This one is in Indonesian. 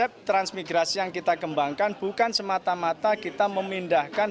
dan bahkan sektor jasa dan konsep transmigrasi yang kita kembangkan bukan semata mata kita memindahkan